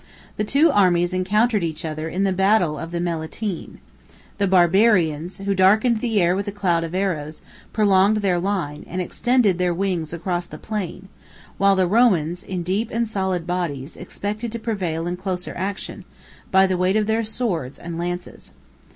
The two armies encountered each other in the battle of Melitene: 412 the Barbarians, who darkened the air with a cloud of arrows, prolonged their line, and extended their wings across the plain; while the Romans, in deep and solid bodies, expected to prevail in closer action, by the weight of their swords and lances.